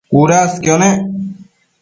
cudasquio nec